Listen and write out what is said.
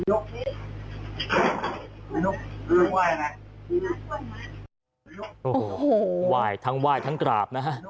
โอ้โหว่ายทั้งว่ายทั้งกราบนะฮะ